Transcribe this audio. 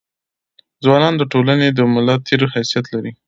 ځوانان د ټولني د ملا د تیر حيثيت لري.